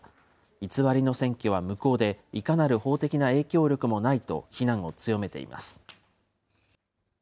偽りの選挙は無効で、いかなる法的な影響力もないと非難を強めています。